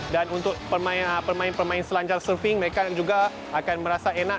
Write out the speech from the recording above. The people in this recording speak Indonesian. dan untuk pemain pemain selanjar surfing mereka juga akan merasa enak